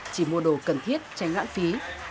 chỉ mua đồ cần thiết tránh lãng phí